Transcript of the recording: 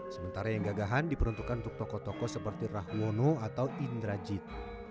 sementara yang gagahan diperuntukkan untuk tokoh tokoh seperti rahwono atau indrajit